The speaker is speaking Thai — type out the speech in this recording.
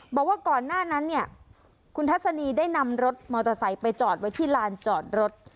บอกว่าก่อนหน้านั้นเนี่ยคุณทัศนีได้นำรถมอเตอร์ไซค์ไปจอดไว้ที่ลานจอดรถ